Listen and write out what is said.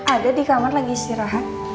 ada di kamar lagi istirahat